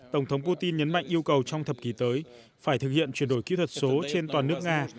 tổng thống putin nhấn mạnh yêu cầu trong thập kỷ tới phải thực hiện chuyển đổi kỹ thuật số trên toàn nước nga